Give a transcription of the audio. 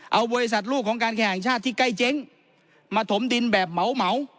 เอาบริษัทลูกของการแข่งชาติที่ใกล้เจ๊งมาถมดินแบบเหมา